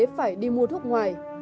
phải đi mua thuốc ngoài